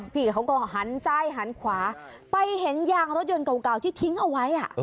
พี่เขาก็หันซ้ายหันขวาไปเห็นยางรถยนต์เก่าที่ทิ้งเอาไว้